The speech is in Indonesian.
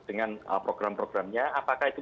dengan program programnya apakah itu